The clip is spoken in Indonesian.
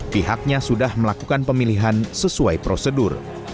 pihaknya sudah melakukan pemilihan sesuai prosedur